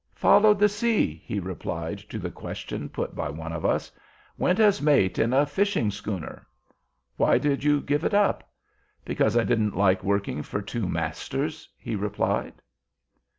"Followed the sea," he replied to the question put by one of us. "Went as mate in a fishing schooner." "Why did you give it up?" "Because I didn't like working for two mast ers," he replied.